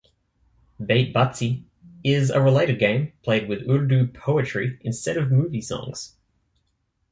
Bait Bazi is a related game played with Urdu poetry instead of movie songs.